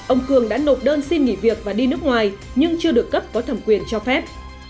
ông cường đã nộp đơn xin nghỉ việc và đi nước ngoài nhưng chưa được cấp có thẩm quyền cho phép